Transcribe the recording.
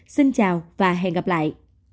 xin chào và hẹn gặp lại